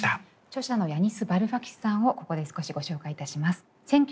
著者のヤニス・バルファキスさんをここで少しご紹介いたします。